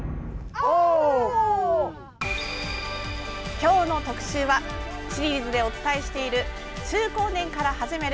今日の特集はシリーズでお伝えしている「中高年から始める！